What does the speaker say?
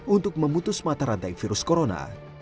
untuk memutus mata rantai virus corona